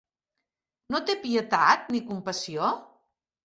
No té pietat ni compassió?